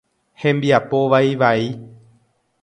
Hembiapo vaivai.